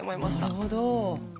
なるほど。